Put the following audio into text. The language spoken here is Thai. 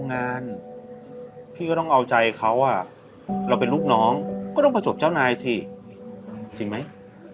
งานพี่ก็ต้องเอาใจเขาเราเป็นลูกน้องก็ต้องประจบเจ้านายสิจริงไหม